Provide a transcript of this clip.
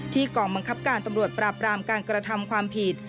กองบังคับการตำรวจปราบรามการกระทำความผิด